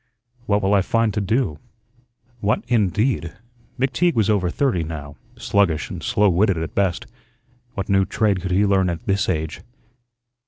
"What will I find to do?" What, indeed? McTeague was over thirty now, sluggish and slow witted at best. What new trade could he learn at this age?